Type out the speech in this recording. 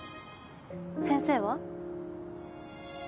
先生は？